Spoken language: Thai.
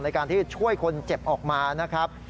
ในการที่ช่วยคนเจ็บออกมานะครับ